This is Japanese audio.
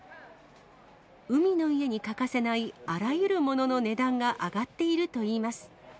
海の家に欠かせないあらゆるものの値段が上がっているといいます。